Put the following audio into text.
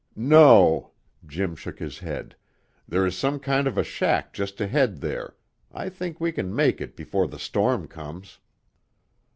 "No!" Jim shook his head. "There is some kind of a shack just ahead there; I think we can make it before the storm comes."